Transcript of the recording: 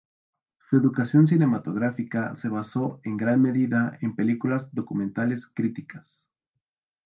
Su educación cinematográfica se basó en gran medida en películas documentales críticas.